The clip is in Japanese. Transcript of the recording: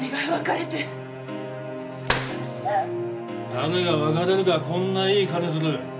誰が別れるかこんないい金づる。